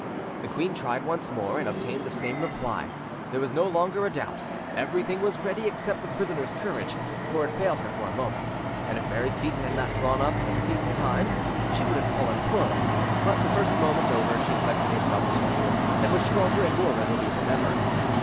The queen tried once more, and obtained the same reply: there was no longer a doubt; everything was ready except the prisoner's courage, for it failed her for a moment, and if Mary Seyton had not drawn up a seat in time, she would have fallen prone; but, the first moment over, she collected herself as usual, and was stronger and more resolute than ever.